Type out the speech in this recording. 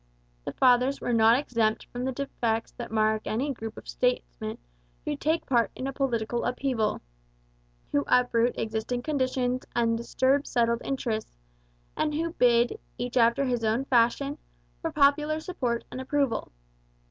The Fathers were not exempt from the defects that mark any group of statesmen who take part in a political upheaval; who uproot existing conditions and disturb settled interests; and who bid, each after his own fashion, for popular support and approval.